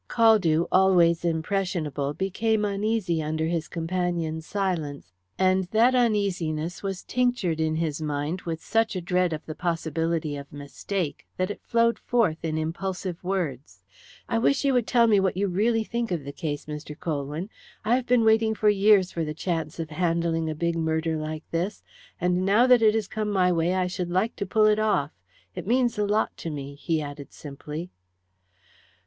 Caldew, always impressionable, became uneasy under his companion's silence, and that uneasiness was tinctured in his mind with such a dread of the possibility of mistake that it flowed forth in impulsive words: "I wish you would tell me what you really think of the case, Mr. Colwyn. I have been waiting for years for the chance of handling a big murder like this, and now that it has come my way I should like to pull it off. It means a lot to me," he added simply.